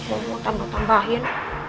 oh mau tambah tambahin